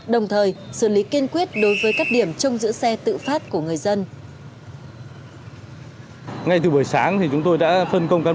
đồng thời xử lý kiên quyết đối với các điểm trong giữa xe tự phát của người dân